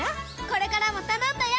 これからも頼んだよ！